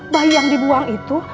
bayi yang dibuang itu